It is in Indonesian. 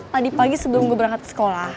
tadi pagi sebelum gue berangkat ke sekolah